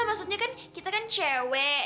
maksudnya kan kita kan cewek